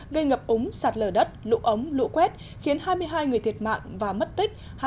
gây ngập úng sạt lở đất lũ ống lũ quét khiến hai mươi hai người thiệt mạng và mất tích